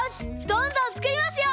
どんどんつくりますよ！